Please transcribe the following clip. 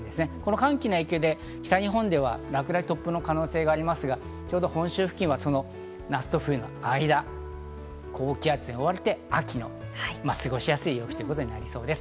寒気の影響で北日本では落雷と突風の可能性がありますが本州付近が夏と冬の間、高気圧に覆われて、秋の過ごしやすい陽気となりそうです。